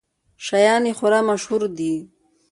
شیان یې خورا مشهور دي.